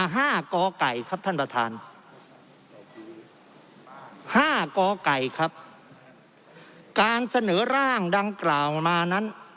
ห้าก่อไก่ครับท่านประธานห้ากไก่ครับการเสนอร่างดังกล่าวมานั้น